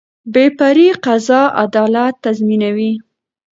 بې پرې قضا عدالت تضمینوي